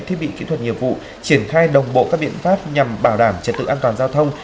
thiết bị kỹ thuật nghiệp vụ triển khai đồng bộ các biện pháp nhằm bảo đảm trật tự an toàn giao thông